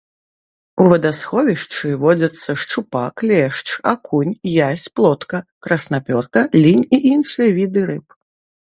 У вадасховішчы водзяцца шчупак, лешч, акунь, язь, плотка, краснапёрка, лінь і іншыя віды рыб.